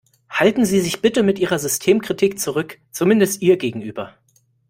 Halten Sie sich bitte mit Ihrer Systemkritik zurück, zumindest ihr gegenüber.